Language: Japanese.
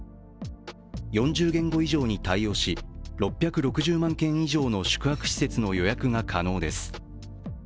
４０言語以上に対応し、６６０万件以上の宿泊施設の予約が可能です。